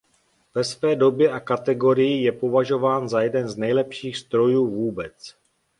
Ve své době a kategorii je považován za jeden z nejlepších strojů vůbec.